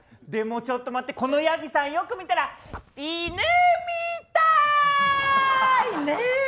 でもちょっと待ってこのヤギさんよく見たら犬みたい！ねえ！